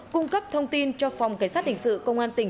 cung cấp thông tin cho phòng cảnh sát hình sự công an tỉnh